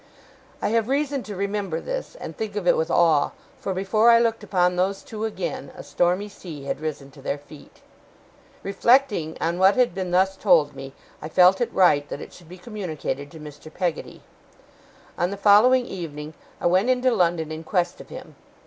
I have reason to remember this, and think of it with awe; for before I looked upon those two again, a stormy sea had risen to their feet. Reflecting on what had been thus told me, I felt it right that it should be communicated to Mr. Peggotty. On the following evening I went into London in quest of him.